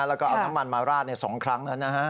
แล้วก็เอาน้ำมันมาราด๒ครั้งแล้วนะฮะ